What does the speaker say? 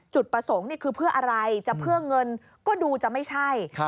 จุดประสงค์นี่คือเพื่ออะไรจะเพื่อเงินก็ดูจะไม่ใช่